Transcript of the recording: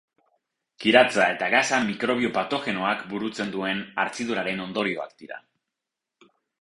Kiratsa eta gasa mikrobio patogenoak burutzen duen hartziduraren ondorioak dira.